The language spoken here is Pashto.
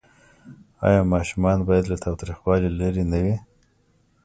آیا ماشومان باید له تاوتریخوالي لرې نه وي؟